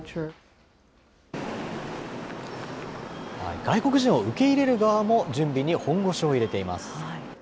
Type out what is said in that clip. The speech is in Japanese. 外国人を受け入れる側も準備に本腰を入れています。